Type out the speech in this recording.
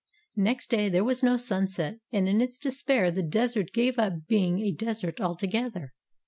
Next day there was no sunset, and in its despair the Desert gave up being a desert altogether.